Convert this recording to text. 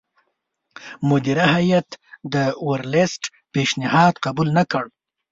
مدیره هیات د ورلسټ پېشنهاد قبول نه کړ.